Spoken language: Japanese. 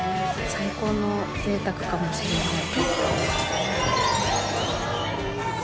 最高のぜいたくかもしれない。